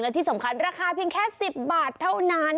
และที่สำคัญราคาเพียงแค่๑๐บาทเท่านั้น